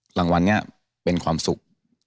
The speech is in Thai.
หลังวันเนี้ยเป็นความสุข